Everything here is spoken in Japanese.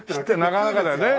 なかなかだよね。